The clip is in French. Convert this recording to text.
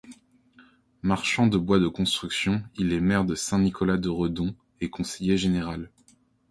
Marchand de bois de construction, il est maire de Saint-Nicolas-de-Redon et conseiller général.